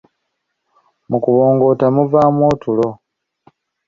Mu kubongoota muvaamu otulo.